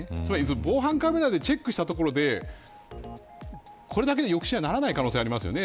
防犯カメラでチェックしたところでこれだけでは抑止にならない可能性があります。